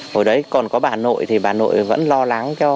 hồi đấy còn có bà nội thì bà nội vẫn lo lắng